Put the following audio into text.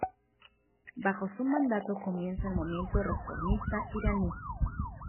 Bajo su mandato comienza el movimiento reformista iraní.